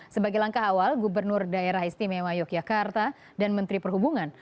sebagai langkah awal gubernur daerah istimewa yogyakarta dan menteri perhubungan